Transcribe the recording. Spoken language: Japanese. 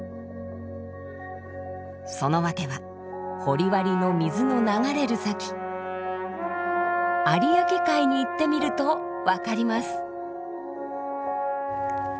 その訳は掘割の水の流れる先有明海に行ってみると分かります。